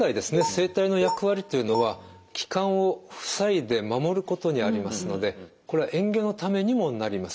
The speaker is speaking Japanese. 声帯の役割というのは気管を塞いで守ることにありますのでこれは嚥下のためにもなります。